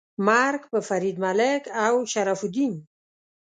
مرګ په فرید ملک او شرف الدین. 🤨